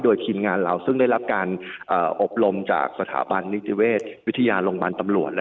โดยทีมงานเราซึ่งได้รับการอบรมจากสถาบันนิติเวชวิทยาโรงพยาบาลตำรวจ